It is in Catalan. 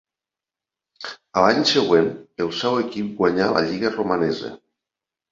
A l'any següent el seu equip guanyà la lliga romanesa.